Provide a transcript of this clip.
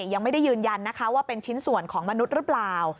ยังไม่ได้ยืนยันนะคะว่าเป็นชิ้นส่วนของมนุษย์หรือเปล่า